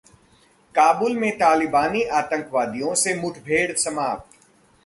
काबुल में तालिबानी आतंकवादियों से मुठभेड़ समाप्त